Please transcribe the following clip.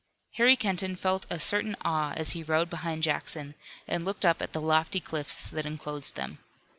Harry Kenton felt a certain awe as he rode behind Jackson, and looked up at the lofty cliffs that enclosed them.